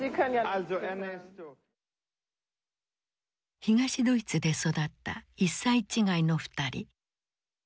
東ドイツで育った１歳違いの２人。